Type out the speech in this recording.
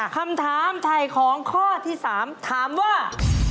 คำถามไถ่ของข้อที่๓ถามว่า